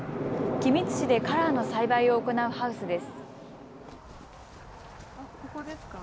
君津市でカラーの栽培を行うハウスです。